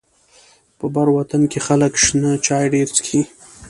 په بر وطن کې خلک شنه چای ډيره څکي.